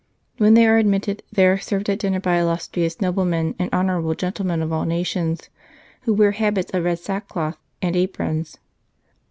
... When they are admitted, they are served at dinner by illustrious noblemen, and honourable gentlemen of all nations, who wear habits of red sackcloth and aprons.